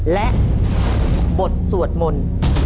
และบทสวดมนต์